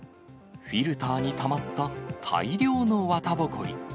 フィルターにたまった、大量の綿ぼこり。